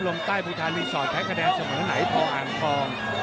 ลมใต้ภูทารีสอร์ทแท้คะแดนเสมอไหนภาคอ่านคลอง